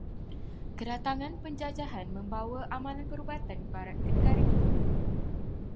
Kedatangan penjajahan membawa amalan perubatan barat ke negara ini.